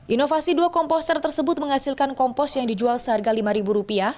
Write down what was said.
inovasi dua komposter tersebut menghasilkan kompos yang dijual seharga lima ribu rupiah